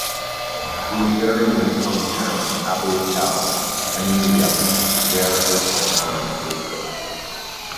He was buried in his hometown Abdul Khel, Paniala, Dera Ismail Khan District.